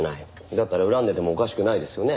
だったら恨んでてもおかしくないですよね。